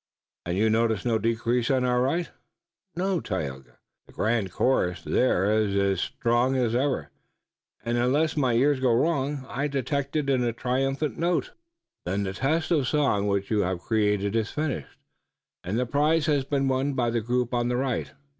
"And you notice no decrease on our right?" "No, Tayoga. The grand chorus there is as strong as ever, and unless my ears go wrong, I detect in it a triumphant note." "Then the test of song which you have created is finished, and the prize has been won by the group on the right.